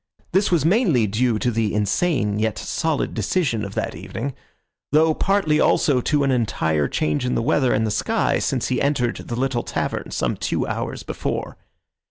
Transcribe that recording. This was mainly due to the insane yet solid decision of that evening, though partly also to an entire change in the weather and the sky since he entered the little tavern some two hours before.